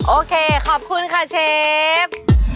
โอเคขอบคุณค่ะเชฟ